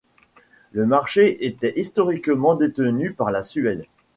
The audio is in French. Le marché était historiquement détenu par la Suède.